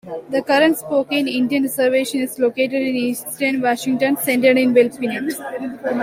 The current Spokane Indian Reservation is located in eastern Washington, centered in Wellpinit.